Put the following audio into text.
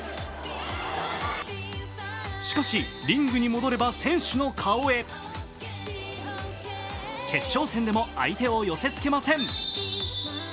しかし、リングに戻れば選手の顔へ決勝戦でも相手を寄せつけません。